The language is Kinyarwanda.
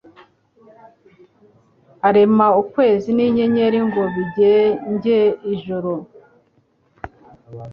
arema ukwezi n’inyenyeri ngo bigenge ijoro